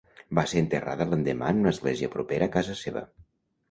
Va ser enterrada l'endemà en una església propera a casa seva.